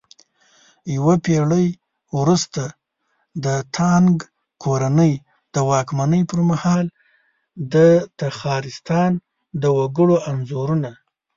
يوه پېړۍ وروسته د تانگ کورنۍ د واکمنۍ پرمهال د تخارستان د وگړو انځورونه